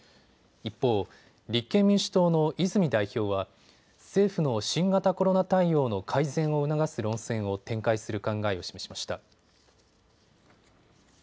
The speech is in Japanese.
一方、立憲民主党の泉代表は政府の新型コロナ対応の改善を促す論戦を展開する考えを示しました。